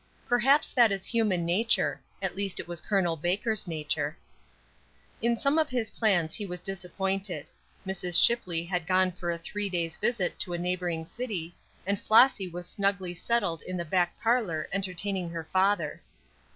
Perhaps that is human nature; at least it was Col. Baker's nature. In some of his plans he was disappointed. Mrs. Shipley was gone for a three days' visit to a neighboring city, and Flossy was snugly settled in the back parlor entertaining her father.